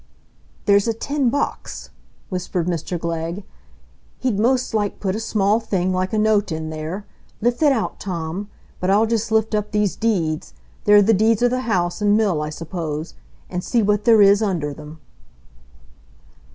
"There's a tin box," whispered Mr Glegg; "he'd most like put a small thing like a note in there. Lift it out, Tom; but I'll just lift up these deeds,—they're the deeds o' the house and mill, I suppose,—and see what there is under 'em."